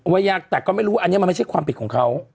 ยากแต่ก็ไม่รู้ว่าอันนี้มันไม่ใช่ความผิดของเขา